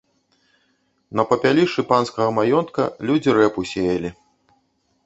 На папялішчы панскага маёнтка людзі рэпу сеялі.